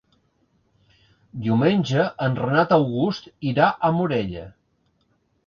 Diumenge en Renat August irà a Morella.